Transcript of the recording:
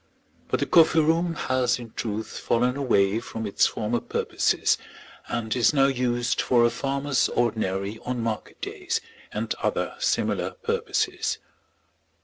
But the coffee room has in truth fallen away from its former purposes, and is now used for a farmer's ordinary on market days, and other similar purposes.